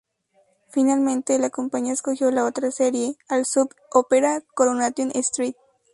Finalmente la compañía escogió la otra serie, el "soap opera" "Coronation Street".